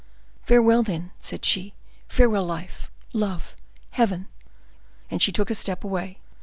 "Farewell, then," said she; "farewell life! love! heaven!" And she took a step away.